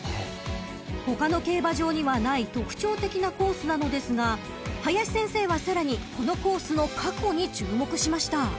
［他の競馬場にはない特徴的なコースなのですが林先生はさらにこのコースの過去に注目しました］